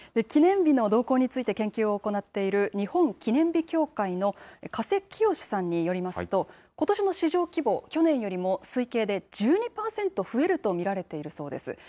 記念日の動向について研究を行っている、日本記念日協会の加瀬清志さんによりますと、ことしの市場規模、去年よりも推計で１２％増えると見られているそうです。